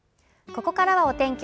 ここからはお天気